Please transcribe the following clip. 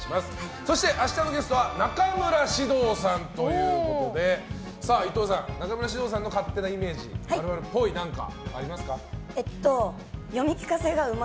そして明日のゲストは中村獅童さんということで伊藤さん、中村獅童さんの勝手なイメージ○○っぽいは何かありますか。